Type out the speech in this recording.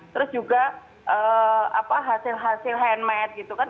terus juga hasil hasil handmade gitu kan